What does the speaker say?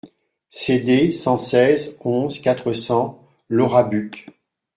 CD cent seize, onze, quatre cents Laurabuc